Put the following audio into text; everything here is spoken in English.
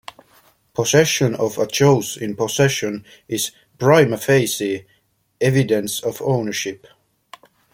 Possession of a chose in possession is "prima facie" evidence of ownership.